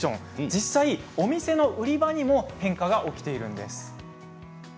実際お店の売り場にも変化が起きているんです。